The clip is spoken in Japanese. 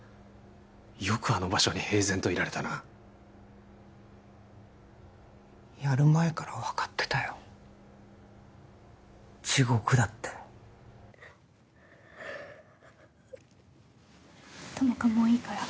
よくあの場所に平然といられたなやる前から分かってたよ地獄だって友果もういいから